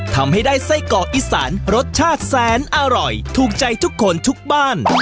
ทำให้ได้ไส้เกาะอีสานรสชาติแสนอร่อยถูกใจทุกคนทุกบ้าน